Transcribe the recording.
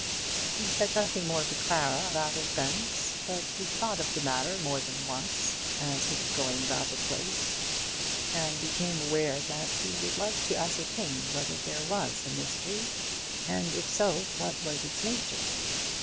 He said nothing more to Clara about her friends, but he thought of the matter more than once, as he was going about the place, and became aware that he would like to ascertain whether there was a mystery, and if so, what was its nature.